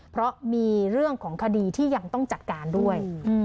เพราะมีเรื่องของคดีที่ยังต้องจัดการด้วย